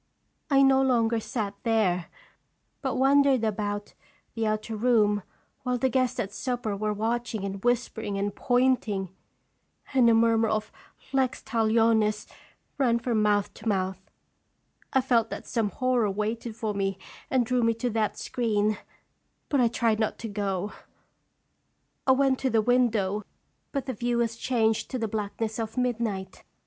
I no longer sat there, but wandered about the outer room while the guests at supper were watching and whispering and pointing, and a murmur of 'Lex lalionis !' ran from mouth to mouth. I felt that some horror waited for me and drew me to that screen, but I tried not to go. I went to the window, but the view was changed Strug Eetieler. 85 to the blackness of midnight.